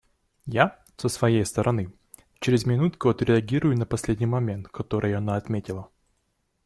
Я, со своей стороны, через минутку отреагирую на последний момент, который она отметила.